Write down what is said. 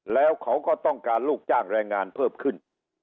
แล้วเขาก็ต้องการลูกจ้างแรงงานเพิ่มขึ้น